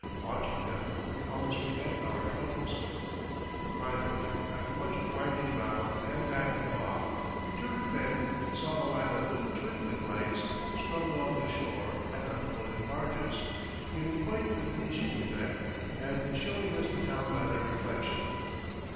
Watching them we could almost forget our troubles. [Illustration: THE OLD AUGUSTINIAN CHURCH, MANILA.] Finally, after much winding round and backing off, we turned a bend and saw a line of little twinkling lights strung along the shore and on floating barges, giving quite a Venetian effect and showing us the town by their reflection.